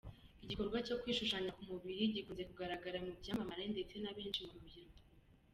Igikorwa cyo kwishushanya ku mubiri gikunze kugaragara mu byamamare ndetse na benshi mu rubyiruko.